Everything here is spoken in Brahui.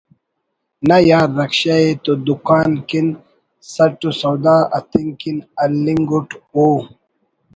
نہ یار رکشہ ءِ تو دکان کن سَٹُ و سودا اَتنگ کن ہلنگ اٹ او